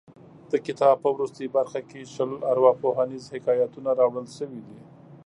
د کتاب په وروستۍ برخه کې شل ارواپوهنیز حکایتونه راوړل شوي دي.